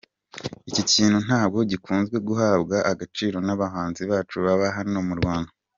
Iki kintu ntabwo gikunzwe guhabwa agaciro n'abahanzi bacu ba hano mu Rwanda.